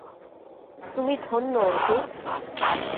তুমি ধন্য অন্তু!